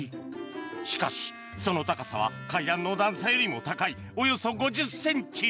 しかし、その高さは階段の段差よりも高いおよそ５０ｃｍ。